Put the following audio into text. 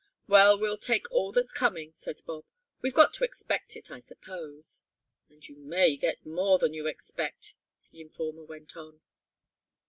"Well, we'll take all that's coming," said Bob. "We've got to expect it, I suppose." "And you may get more than you expect," the informer went on.